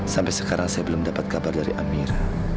sampai sekarang saya belum dapat kabar dari amira